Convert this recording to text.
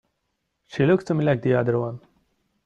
She looks to me like t'other one.